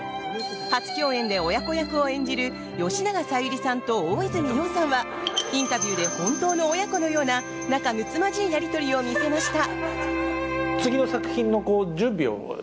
初共演で親子役を演じる吉永小百合さんと大泉洋さんはインタビューで本当の親子のような仲むつまじいやり取りを見せました。